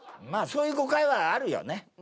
まあそういう誤解はあるよね